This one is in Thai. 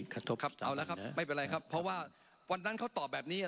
ครับเอาละครับไม่เป็นไรครับเพราะว่าวันนั้นเขาตอบแบบนี้อ่ะ